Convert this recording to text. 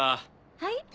はい？